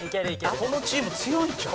このチーム強いんちゃう？